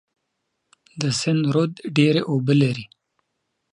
د سند رود ډیر اوبه لري.